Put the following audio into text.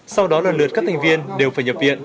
sau đó lần lượt các thành viên đều phải nhập viện